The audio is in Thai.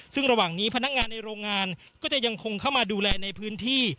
ซึ่งระหว่างนี้พนักงานในโรงงานก็จะยังคงเข้ามาดูแลในพื้นที่